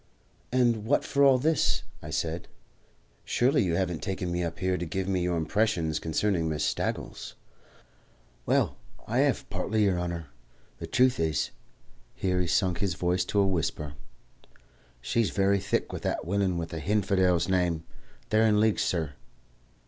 "And what for all this?" I said. "Surely you haven't taken me up here to give me your impressions concerning Miss Staggles?" "Well, I hev partly, yer honour. The truth is" here he sunk his voice to a whisper "she's very thick with that willain with a hinfidel's name. They're in league, sur."